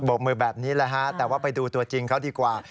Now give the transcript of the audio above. กมือแบบนี้แหละฮะแต่ว่าไปดูตัวจริงเขาดีกว่า